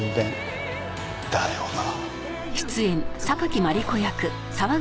だよな。